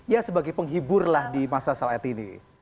ya sebagai penghibur lah di masa saat ini